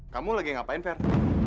kamu lagi ngapain fer